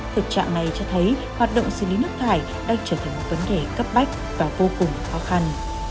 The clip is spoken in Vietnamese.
thực trạng này cho thấy hoạt động xử lý nước thải đang trở thành một vấn đề cấp bách và vô cùng khó khăn